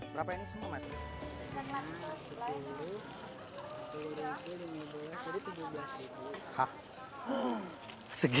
berapa ini semua mas